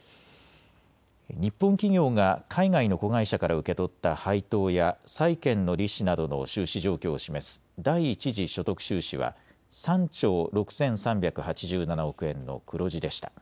日本企業が海外の子会社から受け取った配当や債券の利子などの収支状況を示す第一次所得収支は３兆６３８７億円の黒字でした。